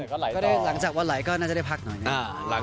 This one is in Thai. ก็ได้หลังจากวันไหลก็น่าจะได้พักหน่อย